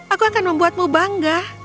aku akan membuatmu bangga